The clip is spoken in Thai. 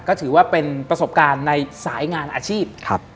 ก็ถือว่าเป็นประสบการณ์ในสายงานอาชีพ